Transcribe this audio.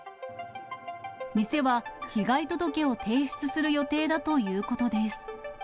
店は被害届を提出する予定だということです。